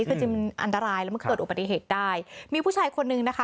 คือจริงมันอันตรายแล้วมันเกิดอุบัติเหตุได้มีผู้ชายคนนึงนะคะ